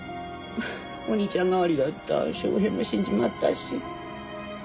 お兄ちゃん代わりだった昌平も死んじまったし。